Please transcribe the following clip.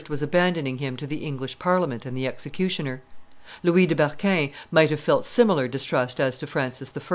was abandoning him to the English Parliament and the executioner. Louis de Berquin might have felt similar distrust as to Francis I.